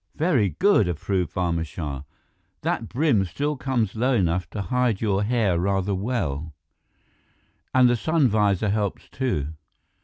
"Very good," approved Barma Shah. "That brim still comes low enough to hide your hair rather well, and the sun visor helps too."